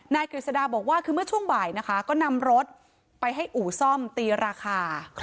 กฤษฎาบอกว่าคือเมื่อช่วงบ่ายนะคะก็นำรถไปให้อู่ซ่อมตีราคา